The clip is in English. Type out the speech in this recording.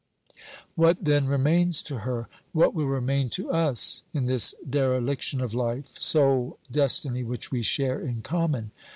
What then remains to her .' What will remain to us in this dereliction of life, sole destiny which we share in common